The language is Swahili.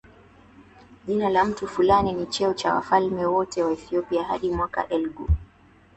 jina la mtu fulani ni cheo cha wafalme wote wa Ethiopia hadi mwaka elgu